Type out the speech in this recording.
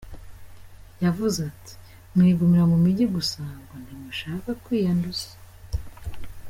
Yavuze ati: "Mwigumira mu mijyi gusa, ngo ntimushaka kwiyanduza.